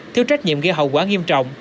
thiếu trách nhiệm gây hậu quả nghiêm trọng